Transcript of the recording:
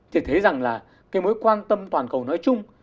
thì thấy rằng là cái mối quan tâm toàn cầu nói chung